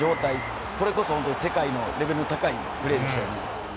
これこそ世界のレベルの高いプレーでした。